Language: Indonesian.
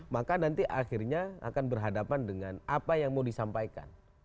maka nanti akhirnya akan berhadapan dengan apa yang mau disampaikan